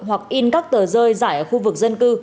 hoặc in các tờ rơi giải ở khu vực dân cư